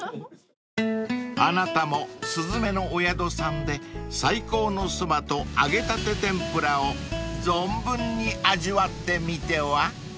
［あなたもすずめの御宿さんで最高のそばと揚げたて天ぷらを存分に味わってみては？］